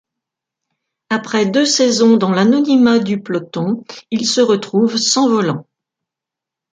Après deux saisons dans l'anonymat du peloton, il se retrouve sans volant.